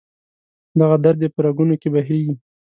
دغه درد دې په رګونو کې بهیږي